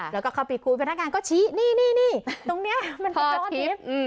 แล้วก็เขาไปคุยพนักงานก็ชี้นี่นี่นี่ตรงเนี้ยมันท่อทิศอืม